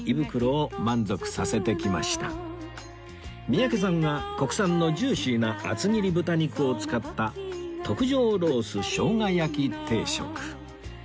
三宅さんは国産のジューシーな厚切り豚肉を使った特上ロース生姜焼き定食